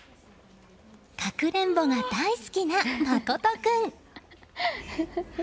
かくれんぼが大好きな真斗君。